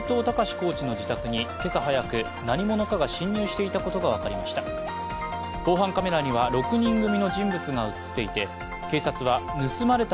コーチの自宅に今朝早く、何者かが侵入していたことが分かりました。